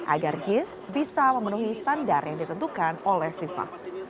agar jis bisa memenuhi standar yang ditentukan oleh fifa